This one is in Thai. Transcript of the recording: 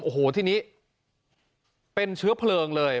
โอ้โหทีนี้เป็นเชื้อเพลิงเลย